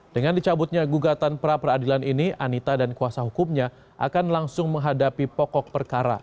dengan dicabutnya gugatan pra peradilan ini anita dan kuasa hukumnya akan langsung menghadapi pokok perkara